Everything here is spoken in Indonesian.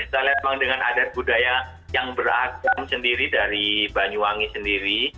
kita lihat memang dengan adat budaya yang beragam sendiri dari banyuwangi sendiri